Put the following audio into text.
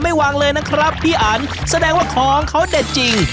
วางเลยนะครับพี่อันแสดงว่าของเขาเด็ดจริง